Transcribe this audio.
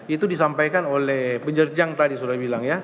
itu disampaikan oleh penjerjang tadi sudah bilang ya